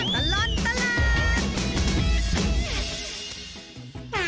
ชั่วตลอดตลาด